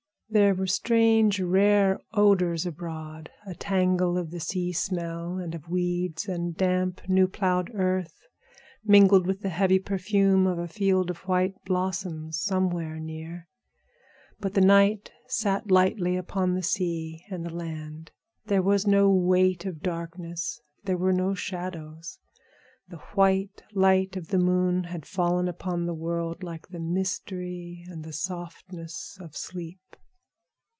There were strange, rare odors abroad—a tangle of the sea smell and of weeds and damp, new plowed earth, mingled with the heavy perfume of a field of white blossoms somewhere near. But the night sat lightly upon the sea and the land. There was no weight of darkness; there were no shadows. The white light of the moon had fallen upon the world like the mystery and the softness of sleep.